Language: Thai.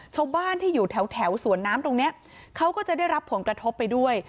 ชาวบ้านที่อยู่แถวสวนน้ำตรงนี้เขาก็จะได้รับผลกระทบไปด้วย